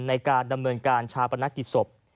ในการดำเนินการชาวประนักกิจสม